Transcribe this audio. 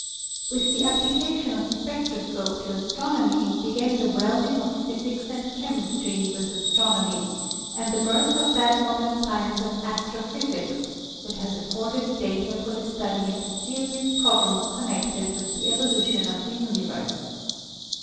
With the application of the spectroscope to astronomy began the welding of physics and chemistry with as tronomy and the birth of that modern science of astro physics, which has afforded data for the study of the seri ous problems connected with the evolution of the universe.